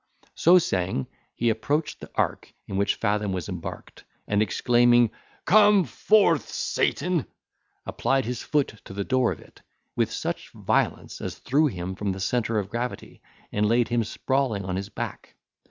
So saying, he approached the ark in which Fathom was embarked, and exclaiming, "Come forth, Satan," applied his foot to the door of it, with such violence as threw him from the centre of gravity, and laid him sprawling on his back.